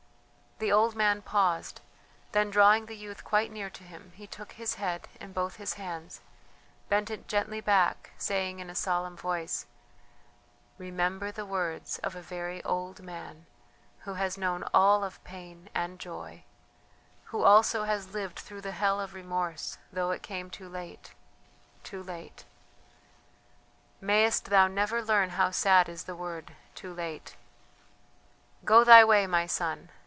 The old man paused, then drawing the youth quite near to him, he took his head in both his hands, bent it gently back, saying in a solemn voice: "Remember the words of a very old man, who has known all of pain and joy, who also has lived through the hell of remorse though it came too late ... too late.... Mayest thou never learn how sad is the word: Too late! Go thy way, my son.